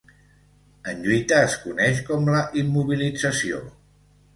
En lluita es coneix com la immobilització.